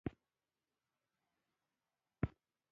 د اقتصادي پرمختګ شاخصونه د پرمختګ کچه ښيي.